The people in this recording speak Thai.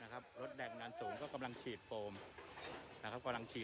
กับรถแดกดันสูงก็กำลังฉีดโฟมนะครับกำลังฉีด